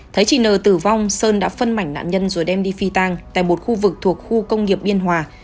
thấy chị t t b n tử vong sơn đã phân mảnh nạn nhân rồi đem đi phi tan tại một khu vực thuộc khu công nghiệp biên hòa